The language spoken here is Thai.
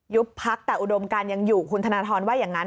พักแต่อุดมการยังอยู่คุณธนทรว่าอย่างนั้น